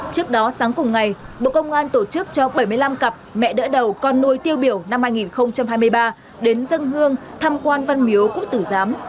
trước đó sáng cùng ngày bộ công an tổ chức cho bảy mươi năm cặp mẹ đỡ đầu con nuôi tiêu biểu năm hai nghìn hai mươi ba đến dân hương tham quan văn miếu quốc tử giám